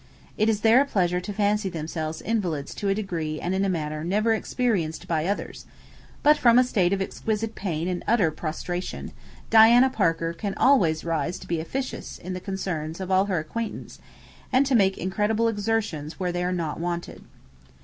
It is their pleasure to fancy themselves invalids to a degree and in a manner never experienced by others; but, from a state of exquisite pain and utter prostration, Diana Parker can always rise to be officious in the concerns of all her acquaintance, and to make incredible exertions where they are not wanted.